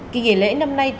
kỳ nghỉ lễ năm nay